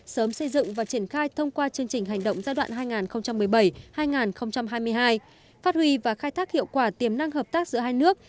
sớm xây dựng và triển khai thông qua chương trình hành động giai đoạn hai nghìn một mươi bảy hai nghìn hai mươi hai phát huy và khai thác hiệu quả tiềm năng hợp tác giữa hai nước